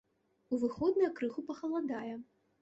У выходныя крыху пахаладае.